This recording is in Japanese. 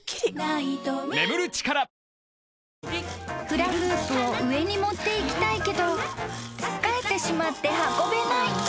［フラフープを上に持っていきたいけどつっかえてしまって運べない。